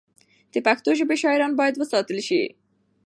د پښتو ژبې شاعران باید وستایل شي.